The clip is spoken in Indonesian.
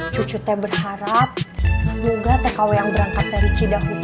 cucu teh berharap semoga tkw yang berangkat dari cidahu